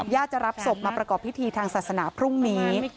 ญาติจะรับศพมาประกอบพิธีทางศาสนาพรุ่งนี้